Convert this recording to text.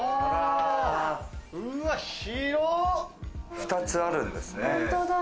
２つあるんですね。